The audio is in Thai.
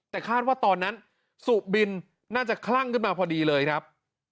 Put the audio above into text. แต่คาดว่าตอนนั้นสุบินน่าจะคลั่งขึ้นมาพอดีเลยครับ